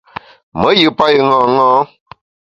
Me yù payù ṅaṅâ.